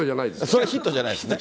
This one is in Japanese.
それはヒットじゃないですね。